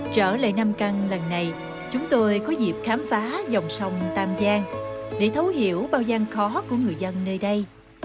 trở lại nam căng lần này chúng tôi có dịp khám phá dòng sông tam giang để thấu hiểu bao gian khó của người dân nơi đây